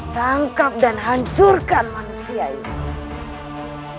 tangkap dan hancurkan manusia ini